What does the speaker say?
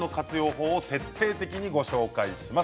法を徹底的にご紹介します。